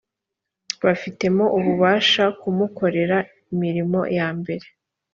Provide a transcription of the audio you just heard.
bafitemo ububasha kumukorera imirimo yambere